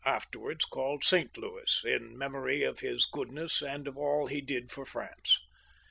afterwards called Saint Louis, in memory of his goodness and of all he did for France.